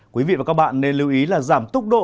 quý vị và các bạn nên lưu ý là giảm tốc độ